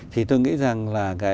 thì tôi nghĩ rằng là